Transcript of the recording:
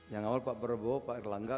yang awal pak prabowo pak erlangga